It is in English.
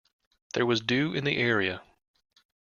There was dew in the area.